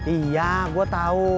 iya gue tau